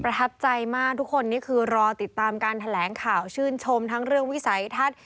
ทับใจมากทุกคนนี่คือรอติดตามการแถลงข่าวชื่นชมทั้งเรื่องวิสัยทัศน์